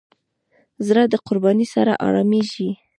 زړه د قربانۍ سره آرامېږي.